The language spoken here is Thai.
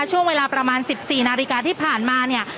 ช่วงเวลาประมาณ๑๔นาฬิกาที่ผ่านมาเนี่ย